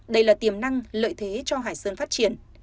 đây là tiềm năng lợi thế cho hải sơn phát triển